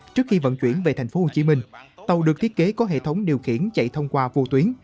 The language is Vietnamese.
trước khi vận chuyển về tp hcm tàu được thiết kế có hệ thống điều khiển chạy thông qua vô tuyến